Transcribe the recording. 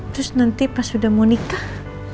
terus nanti pas sudah mau nikah